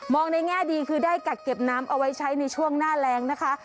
ในแง่ดีคือได้กักเก็บน้ำเอาไว้ใช้ในช่วงหน้าแรงนะคะ